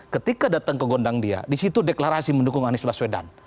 ketika datang ke gondang dia disitu deklarasi mendukung anies baswedan